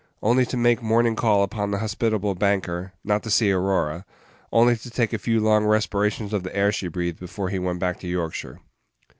Only to make a morning call upon the hospitable banker; not to see Aurora; only to take a few long respirations of the air she breathed before he went back to Yorkshire.